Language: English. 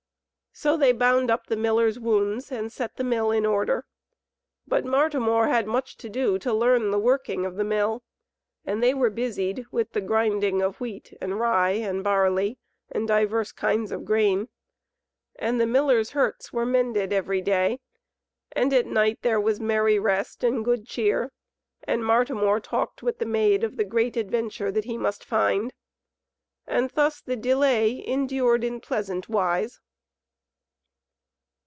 So they bound up the miller's wounds and set the Mill in order. But Martimor had much to do to learn the working of the Mill; and they were busied with the grinding of wheat and rye and barley and divers kinds of grain; and the millers hurts were mended every day; and at night there was merry rest and good cheer; and Martimor talked with the Maid of the great adventure that he must find; and thus the delay endured in pleasant wise.